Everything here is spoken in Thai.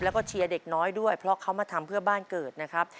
แล้วก็เชียร์เด็กน้อยด้วยเพราะเขามาทำเพื่อบ้านเกิดนะครับ